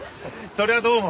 それはどうも。